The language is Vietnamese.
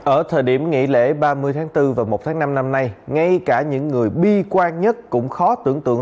ở thời điểm nghỉ lễ ba mươi tháng bốn và một tháng năm năm nay ngay cả những người bi quan nhất cũng khó tưởng tượng